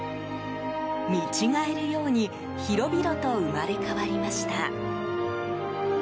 見違えるように広々と生まれ変わりました。